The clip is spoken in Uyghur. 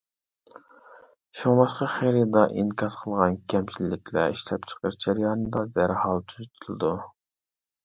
شۇڭلاشقا خېرىدار ئىنكاس قىلغان كەمچىلىكلەر ئىشلەپچىقىرىش جەريانىدا دەرھال تۈزىتىلىدۇ.